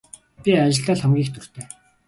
Би ажилдаа л хамгийн их дуртай.